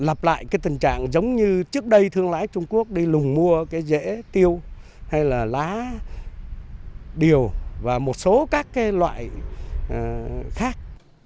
lặp lại cái tình trạng giống như trước đây thương lái trung quốc đi lùng mua cái rễ tiêu hay là lá điều và một số các loại khác